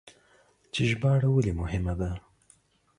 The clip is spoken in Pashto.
چې ژباړه ولې مهمه ده؟